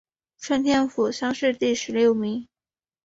顺天府乡试第十六名。